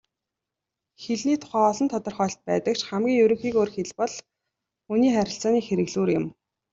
Хэлний тухай олон тодорхойлолт байдаг ч хамгийн ерөнхийгөөр хэл бол хүний харилцааны хэрэглүүр юм.